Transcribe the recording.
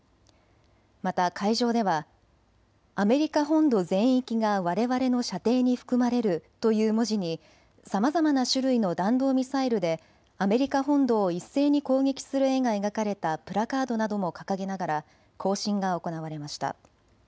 また会場ではアメリカ本土全域がわれわれの射程に含まれるという文字にさまざまな種類の弾道ミサイルでアメリカ本土を一斉に攻撃する絵が描かれたプラカードなども掲げながら行進が行われました。